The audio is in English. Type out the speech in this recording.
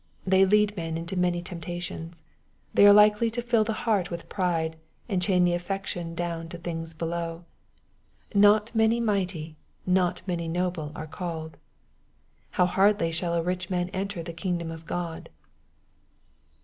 They lead men into many temptations. They are likely to fill the heart with pride, and to chain the affections down to things below. " Not many mighty, not many noble are called." " How hardly shall a rich man enter the kingdom of God."